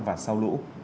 và sau lũ